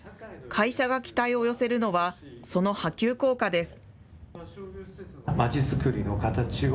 会社が期待を寄せるのは、その波及効果です。